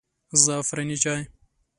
زعفراني چای